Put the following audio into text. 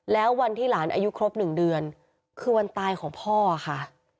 แล้ววันที่หลานอายุครบ๑เดือนคือวันตายของพ่อค่ะ